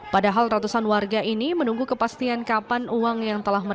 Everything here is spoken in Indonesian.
padahal ratusan warga ini menunggu kepastian kapan uang yang telah muncul